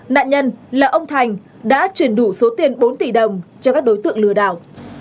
nạn nhân là ông thành đã chuyển đủ số tiền bốn tỷ đồng cho các đối tượng lừa đảo